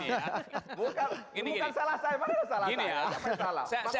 bukan salah saya mana salah saya